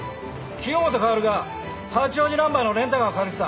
清本薫が八王子ナンバーのレンタカーを借りていた。